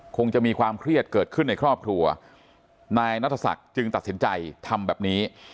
คงจะมีความเครียดเกิดขึ้นในครอบครัวนายนัทศักดิ์จึงตัดสินใจทำแบบนี้